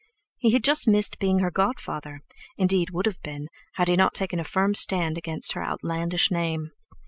He had just missed being her god father—indeed, would have been, had he not taken a firm stand against her outlandish name.